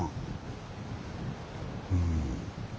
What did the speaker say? うん。